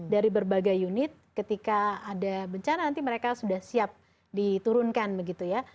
dari berbagai unit ketika ada bencana nanti mereka sudah siap diturunkan begitu ya